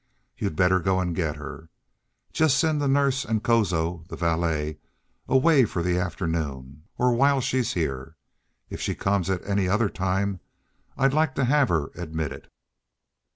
You'd better go and get her. Just send the nurse and Kozo (the valet) away for the afternoon, or while she's here. If she comes at any other time I'd like to have her admitted."